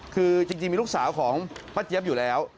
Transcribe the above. คือจริงมีลูกสาวของป้าเจี๊ยบอยู่แล้ว